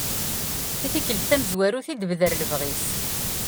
I tikkelt tamenzut i d-tebder lebɣi-s.